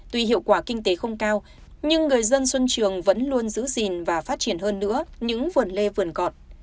tuy hiệu quả kinh tế không cao nhưng người dân xuân trường vẫn luôn giữ gìn và phát triển hơn nữa những vườn lê vườn cọt